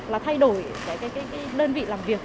là thay đổi cái nơn vị làm việc